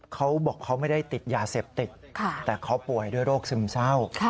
เขาบอกเขาไม่ได้ติดยาเสพติดแต่เขาป่วยด้วยโรคซึมเศร้า